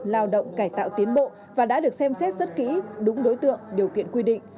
lao động cải tạo tiến bộ và đã được xem xét rất kỹ đúng đối tượng điều kiện quy định